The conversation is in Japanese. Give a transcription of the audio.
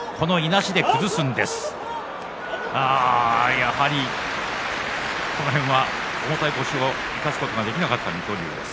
やはりこの辺は重たい腰を生かすことができなかった水戸龍です。